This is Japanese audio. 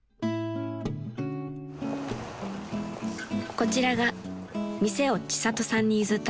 ［こちらが店を千里さんに譲った］